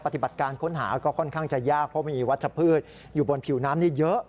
ปฏิบัติการค้นหาก็ค่อนข้างจะยากเพราะมีวัชพืชอยู่บนผิวน้ำนี่เยอะ